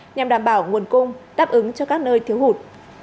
nhằm đảm bảo nguồn cung đáp ứng cho các nơi thiếu hụt